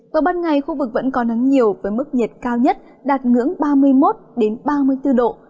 vào ban ngày khu vực vẫn có nắng nhiều với mức nhiệt cao nhất đạt ngưỡng ba mươi một ba mươi bốn độ